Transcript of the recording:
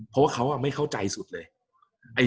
เพราะว่าเขาไม่เข้าใจสุดเลย